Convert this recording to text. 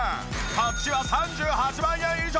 こっちは３８万円以上。